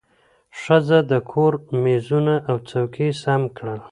ښځه د کور مېزونه او څوکۍ سم کړل